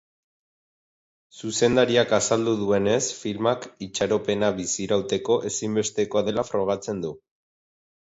Zuzendariak azaldu duenez filmak itxaropena bizirauteko ezinbestekoa dela frogatzen du.